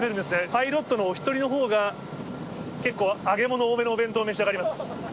パイロットのお１人のほうが、結構、揚げ物多めのお弁当を召し上がります。